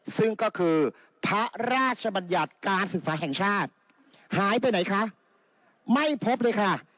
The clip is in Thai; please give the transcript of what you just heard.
ซึ่งก็คือพระราชบัญญัติการศึกษาแห่งชาติหายไปไหนคะไม่พบเลยค่ะ